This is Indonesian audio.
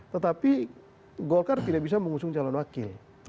tetapi golkar tidak bisa mengusung calon wakil